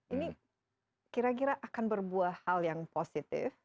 ini kira kira akan berbuah hal yang positif